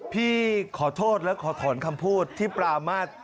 พี่ขอโทษและขอถอนคำพูดที่ปรามาท